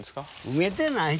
埋めてない。